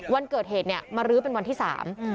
วันเกิดเหตุเนี่ยมารื้อเป็นวันที่สาม